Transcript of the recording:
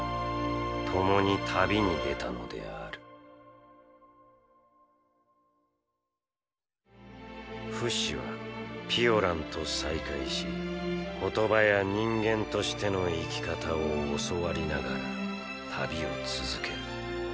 共に旅に出たのであるフシはピオランと再会し言葉や人間としての生き方を教わりながら旅を続ける。